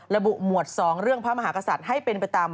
ระบุหมวด๒เรื่องพระมหากษัตริย์ให้เป็นไปตาม